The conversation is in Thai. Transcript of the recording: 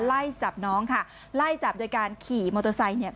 ไล่จับน้องค่ะไล่จับโดยการขี่มอเตอร์ไซค์เนี่ย